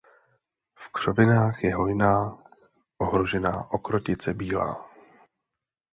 V křovinách je hojná ohrožená okrotice bílá.